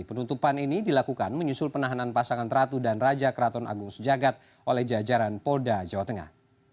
penutupan ini dilakukan menyusul penahanan pasangan ratu dan raja keraton agung sejagat oleh jajaran polda jawa tengah